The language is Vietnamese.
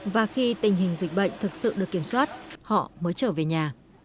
và khi tình hình dịch bệnh thực sự được kiểm soát họ mới trở về nhà